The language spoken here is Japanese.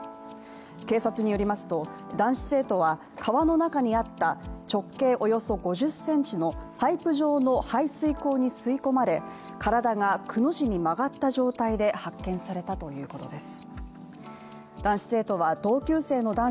警察によりますと、男子生徒は川の中にあった直径およそ５０ｃｍの、パイプ状の排水溝に吸い込まれ体がくの字に曲がった状態で発見されたということです。